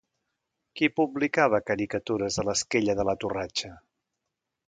Qui publicava caricatures a l'Esquella de la Torratxa?